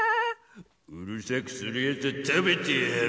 うるさくするやつはたべてやる！